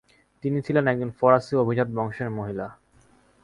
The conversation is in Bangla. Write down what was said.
তিনি ছিলেন একজন ফরাসি অভিজাত বংশের মহিলা।